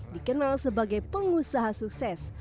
dikenal sebagai pengusaha sukses